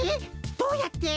どうやって？